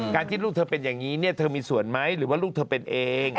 ที่ลูกเธอเป็นอย่างนี้เธอมีส่วนไหมหรือว่าลูกเธอเป็นเอง